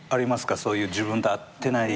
そういう自分と合ってない。